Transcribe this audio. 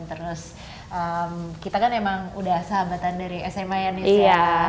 terus kita kan emang udah sahabatan dari sma nya